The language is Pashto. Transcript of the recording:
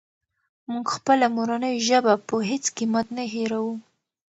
موږ خپله مورنۍ ژبه په هېڅ قیمت نه هېروو.